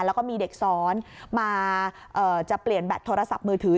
แล้วก็มีเด็กซ้อนมาจะเปลี่ยนแบตโทรศัพท์มือถือ